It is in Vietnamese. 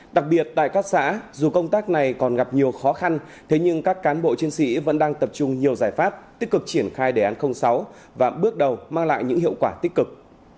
đặc biệt tại các xã dù công tác này còn gặp nhiều khó khăn thế nhưng các cán bộ chiến sĩ vẫn đang tập trung nhiều giải pháp tích cực triển khai đề án sáu và bước đầu mang lại những hiệu quả tích cực